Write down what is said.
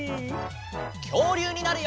きょうりゅうになるよ！